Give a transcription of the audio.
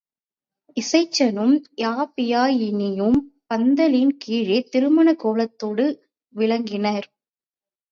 இசைச்சனும் யாப்பியாயினியும் பந்தலின் கீழே திருமணக்கோலத்தோடு விளங்கினர்.